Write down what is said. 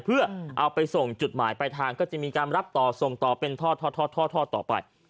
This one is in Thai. เพื่อเอาไปส่งจุดหมายปลายทางก็จะมีการรับต่อส่งต่อเป็นทอดต่อไป